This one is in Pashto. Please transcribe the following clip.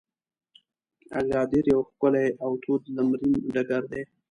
اګادیر یو ښکلی او تود لمرین ډګر دی.